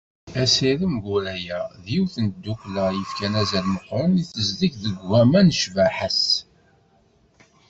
Asirem Guraya d yiwet n tdukkla i yefkan azal meqqren i tezdeg n ugema d ccbaḥa-s.